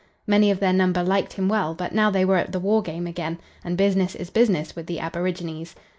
Many of their number liked him well, but now they were at the war game again, and, business is business with the aborigines.